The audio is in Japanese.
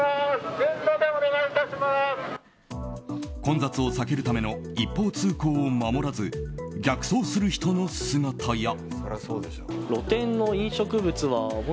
混雑を避けるための一方通行を守らず逆走する人の姿や。